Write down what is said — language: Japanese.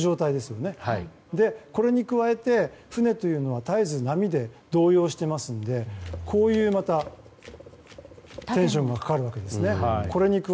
これに加えて船というのは絶えず波で動揺していますので、こういうテンションがかかります。